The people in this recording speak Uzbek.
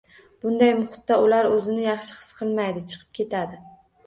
Bunday muhitda ular o‘zini yaxshi his qilmaydi, chiqib ketadi.